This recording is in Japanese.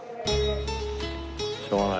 しょうがない。